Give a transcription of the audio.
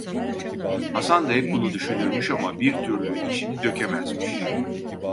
Haşan da hep bunu düşünürmüş ama, bir türlü içini dökemezmiş.